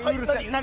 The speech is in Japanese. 何？